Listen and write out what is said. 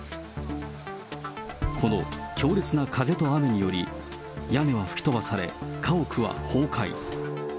この強烈な風と雨により、屋根は吹き飛ばされ、家屋は崩壊。